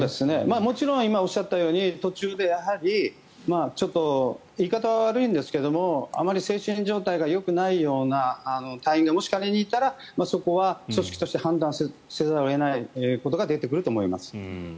もちろん今、おっしゃったように途中で、やはりちょっと言い方は悪いんですがあまり精神状態がよくないような隊員がもし仮にいたらそこは組織として判断せざるを得ないことが出てくると思います。